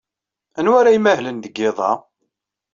Anwa ara imahlen deg yiḍ-a?